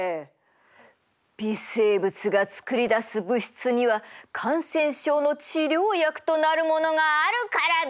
微生物が作り出す物質には感染症の治療薬となるものがあるからだ！